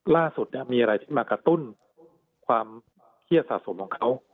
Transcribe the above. ล่าสุดมีอะไรที่มากระตุ้นความเครียดสะสมของเขา